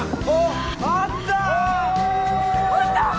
あったー！